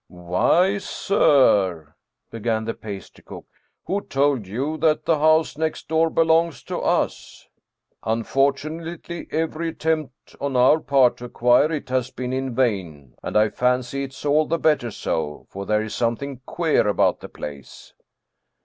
" Why, sir," began the pastry cook, "who told you that the house next door belongs to us? Unfortunately every attempt on our part to acquire it has been in vain, and I fancy it is all the better so, for there is something queer about the place."